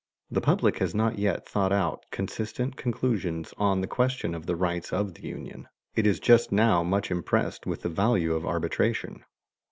The public has not as yet thought out consistent conclusions on the question of the rights of the union. It is just now much impressed with the value of arbitration.